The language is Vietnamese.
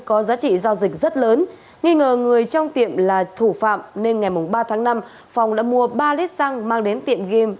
có giá trị giao dịch rất lớn nghi ngờ người trong tiệm là thủ phạm nên ngày ba tháng năm phong đã mua ba lít xăng mang đến tiệm game